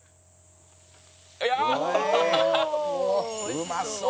「うまそう！」